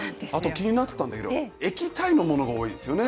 気になってたんだけど液体のものが多いですね。